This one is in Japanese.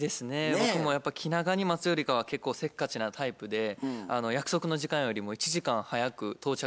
僕もやっぱ気長に待つよりかは結構せっかちなタイプで約束の時間よりも１時間早く到着したこともあります。